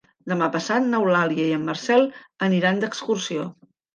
Demà passat n'Eulàlia i en Marcel aniran d'excursió.